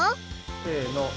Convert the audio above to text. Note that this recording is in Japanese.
せの！